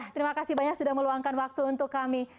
terima kasih banyak sudah meluangkan waktu untuk kami